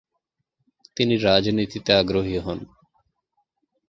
তিনি রাজনীতিতে আগ্রহী হন।